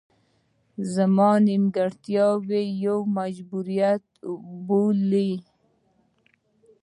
زما نیمګړتیاوې یو مجبوریت وبولي.